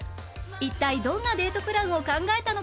一体どんなデートプランを考えたのか？